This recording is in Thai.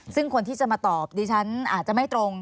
ซึ่งคนที่จะมาตอบดิฉันอาจจะไม่ตรง